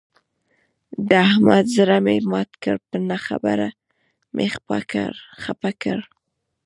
د احمد زړه مې مات کړ، په نه خبره مې خپه کړ.